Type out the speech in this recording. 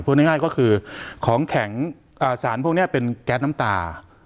ง่ายก็คือของแข็งสารพวกนี้เป็นแก๊สน้ำตา